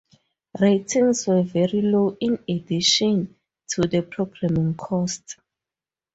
Ratings were very low, in addition to the programming costs.